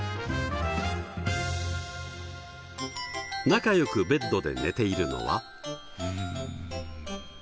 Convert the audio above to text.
仲良くベッドで寝ているのは。